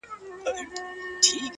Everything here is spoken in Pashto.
را روان په شپه كــــي ســـېــــــل دى.!